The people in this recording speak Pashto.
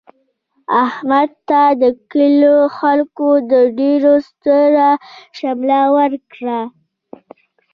احمد ته د کلي خلکو د ډېر ستره شمله ورکړله.